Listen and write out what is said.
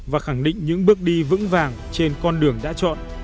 và khẳng định những bước đi vững vàng trên con đường đã chọn